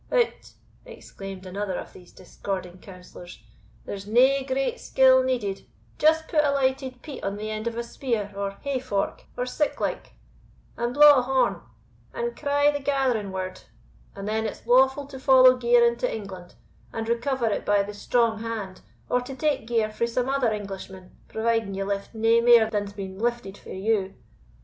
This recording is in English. "Hout," exclaimed another of these discording counsellors, "there's nae great skill needed; just put a lighted peat on the end of a spear, or hayfork, or siclike, and blaw a horn, and cry the gathering word, and then it's lawful to follow gear into England, and recover it by the strong hand, or to take gear frae some other Englishman, providing ye lift nae mair than's been lifted frae you.